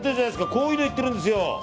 こういうのをいっているんですよ。